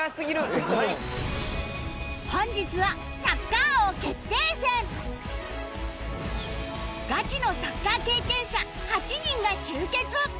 本日はガチのサッカー経験者８人が集結！